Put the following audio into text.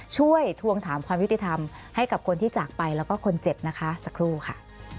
ช่วยทวงถามความยุติธรรมให้กับคนที่จากไปและคนเจ็บสักรู่ค่ะ